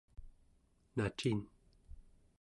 nacin